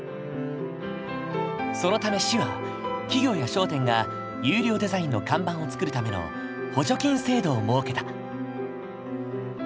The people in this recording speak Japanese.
そのため市は企業や商店が優良デザインの看板を作るための補助金制度を設けた。